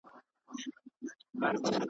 اور ته خپل او پردی یو دی